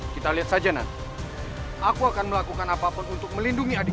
kita lihat saja aku akan melakukan apapun untuk melindungi adik